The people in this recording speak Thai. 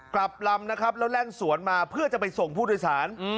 กลับลำนะครับแล้วแล่นสวนมาเพื่อจะไปส่งผู้โดยสาร